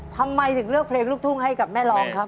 ทำไมถึงเลือกเพลงลูกทุ่งให้กับแม่รองครับ